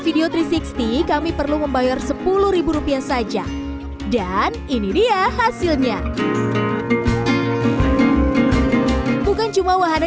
video tiga ratus enam puluh kami perlu membayar sepuluh rupiah saja dan ini dia hasilnya bukan cuma wahana